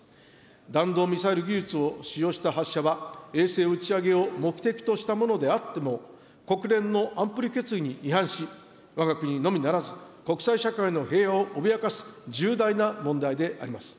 弾道ミサイル技術を使用した発射は、衛星打ち上げを目的としたものであっても、国連の安保理決議に違反し、わが国のみならず、国際社会の平和を脅かす重大な問題であります。